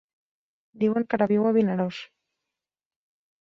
Diuen que ara viu a Vinaròs.